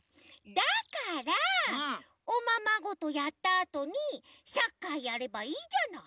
だからおままごとやったあとにサッカーやればいいじゃない。